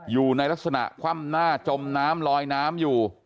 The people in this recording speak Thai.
อยู่ในลักษณะคว่ำหน้าจมน้ำลอยน้ำอยู่